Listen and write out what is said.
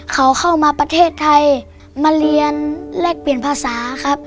เขาเข้ามาประเทศไทยมาเรียนแลกเปลี่ยนภาษาครับ